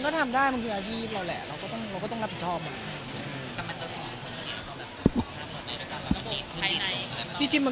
มันก็ทำได้มันคืออาชีพเราแหละเราก็ต้องรับผิดชอบมา